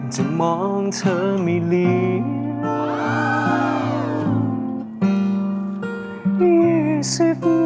จะมองเธอไม่เลี้ยง